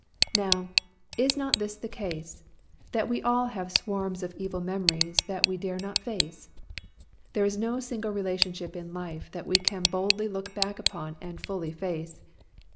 Now, is not this the case, that we all have swarms of evil memories that we dare not face? There is no single relationship in life that we can boldly look back upon and fully face.